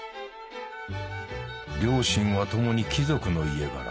両親は共に貴族の家柄。